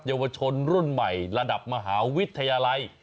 เยาวชนรุ่นใหม่ระดับมหาวิทยาลัย